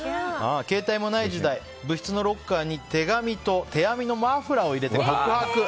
携帯もない時代部室のロッカーに手紙と手編みのマフラーを入れて告白。